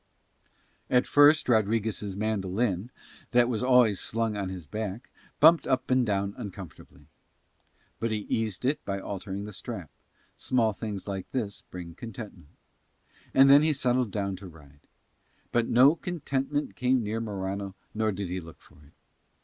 At first Rodriguez' mandolin, that was always slung on his back, bumped up and down uncomfortably; but he eased it by altering the strap: small things like this bring contentment. And then he settled down to ride. But no contentment came near Morano nor did he look for it.